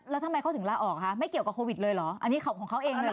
แล้วทำไมเขาถึงลาออกคะไม่เกี่ยวกับโควิดเลยเหรออันนี้ของเขาเองเลยเหรอ